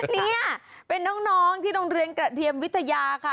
นี่เป็นน้องที่โรงเรียนกระเทียมวิทยาค่ะ